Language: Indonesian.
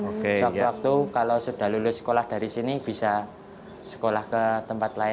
oke ya waktu waktu kalau sudah lulus sekolah dari sini bisa